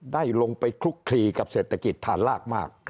ได้ลงไปคลุกคลีกับเศรษฐกิจฐานลากมาก